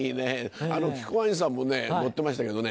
木久扇兄さんもね乗ってましたけどね